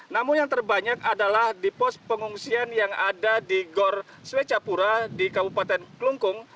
namun yang terbanyak adalah di pos pengungsian yang ada di gor swecapura di kabupaten kelungkung